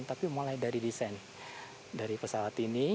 tapi mulai dari desain dari pesawat ini